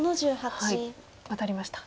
ワタりました。